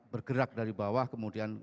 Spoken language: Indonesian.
bergerak dari bawah kemudian